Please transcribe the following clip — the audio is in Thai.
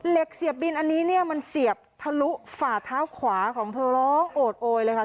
เสียบบินอันนี้เนี่ยมันเสียบทะลุฝ่าเท้าขวาของเธอร้องโอดโอยเลยค่ะ